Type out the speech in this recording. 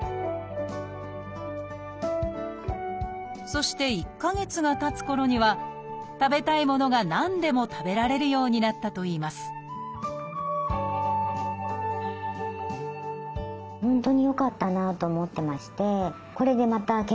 そして１か月がたつころには食べたいものが何でも食べられるようになったといいますチョイス！